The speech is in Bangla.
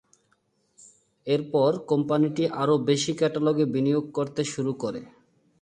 এরপর, কোম্পানিটি আরও বেশি ক্যাটালগে বিনিয়োগ করতে শুরু করে।